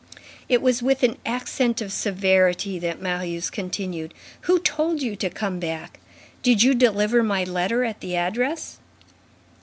It was with an accent of severity that Marius continued: "Who told you to come back? Did you deliver my letter at the address?"